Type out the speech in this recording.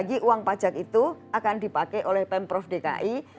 lagi uang pajak itu akan dipakai oleh pemprov dki